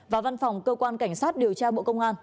và văn phòng cơ quan cảnh sát điều tra bộ công an